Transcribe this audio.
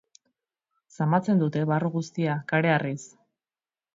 Zamatzen dute barru guztia kareharriz.